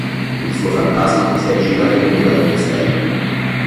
Il suo fantasma si aggira per le mura del castello.